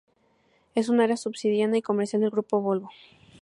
Es un área subsidiaria y comercial del Grupo Volvo.